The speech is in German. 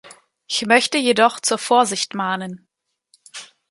Ich möchte jedoch zur Vorsicht mahnen.